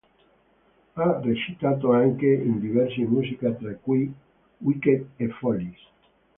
Ha recitato anche in diversi musical, tra cui "Wicked" e "Follies".